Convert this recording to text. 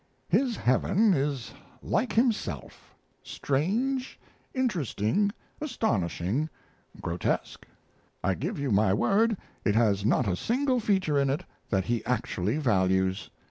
His heaven is like himself: strange, interesting, astonishing, grotesque. I give you my word it has not a single feature in it that he actually values.